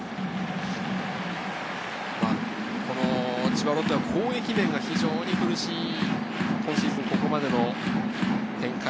千葉ロッテは攻撃面が非常に苦しい今シーズン、ここまでの展開。